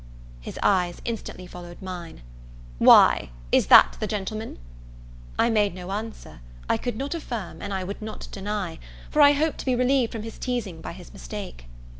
His eyes instantly followed mine; "Why, is that the gentleman?" I made no answer; I could not affirm, and I would not deny: for I hoped to be relieved from his teasing by his mistake.